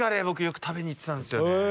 僕よく食べに行ってたんですよね。